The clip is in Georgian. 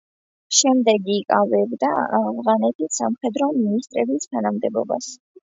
შემდეგ იკავებდა ავღანეთის სამხედრო მინისტრის თანამდებობას.